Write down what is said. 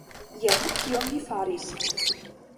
Jen kion vi faris.